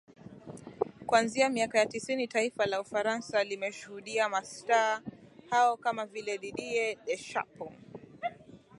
kuanzia miaka ya tisini taifa la ufaransa limeshuhudia mastaa hao kama vile Didiye Deshapo